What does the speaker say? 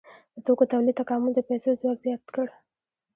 د توکو تولید تکامل د پیسو ځواک زیات کړ.